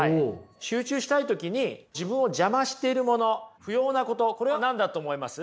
集中したい時に自分を邪魔してるもの不要なこと何だと思います？